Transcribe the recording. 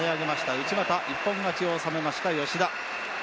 内股一本勝ちを収めました吉田。